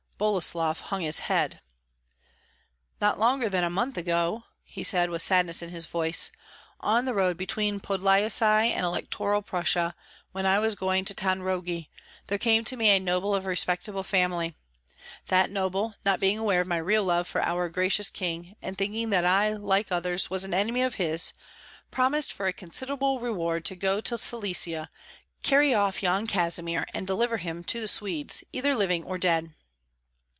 Boguslav hung his head. "Not longer than a month ago," said he, with sadness in his voice, "on the road between Podlyasye and Electoral Prussia, when I was going to Tanrogi, there came to me a noble of respectable family. That noble, not being aware of my real love for our gracious king, and thinking that I, like others, was an enemy of his, promised for a considerable reward to go to Silesia, carry off Yan Kazimir and deliver him to the Swedes, either living or dead."